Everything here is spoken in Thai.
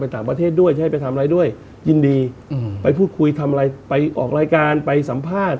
ผมเองกับคุณอุ้งอิ๊งเองเราก็รักกันเหมือนน้อง